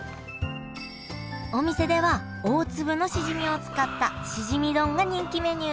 お店では大粒のしじみを使ったしじみ丼が人気メニュー！